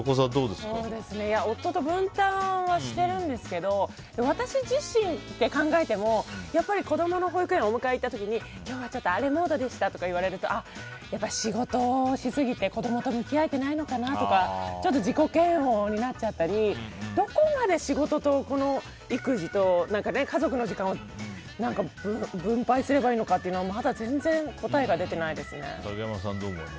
夫と分担はしてるんですけど私自身って考えてもやっぱり子供の保育園にお迎え行った時に今日は荒れモードでしたとか言われるとやっぱり仕事しすぎて子供と向き合えてないのかなってちょっと自己嫌悪になっちゃったりどこまで仕事と育児と家族の時間を分配すればいいのかというのはまだ全然答えが出てないですね。